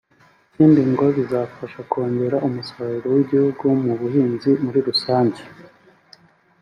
Ikindi ngo bizafasha kongera umusaruro w’igihugu mu buhinzi muri rusange